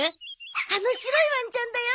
あの白いワンちゃんだよ！